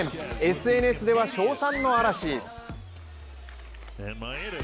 ＳＮＳでは称賛の嵐。